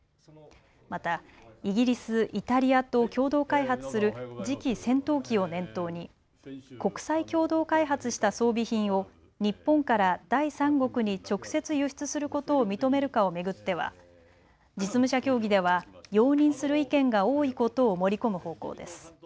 またイギリス、イタリアと共同開発する次期戦闘機を念頭に国際共同開発した装備品を日本から第三国に直接輸出することを認めるかを巡っては実務者協議では容認する意見が多いことを盛り込む方向です。